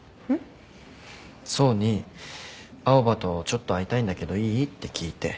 想に青羽とちょっと会いたいんだけどいい？って聞いて。